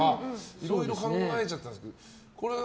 いろいろ考えちゃったんですけど。